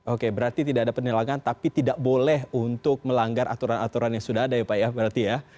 oke berarti tidak ada penilangan tapi tidak boleh untuk melanggar aturan aturan yang sudah ada ya pak ya berarti ya